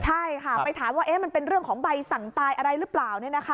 ใช่ค่ะไปถามว่ามันเป็นเรื่องของใบสั่งตายอะไรหรือเปล่า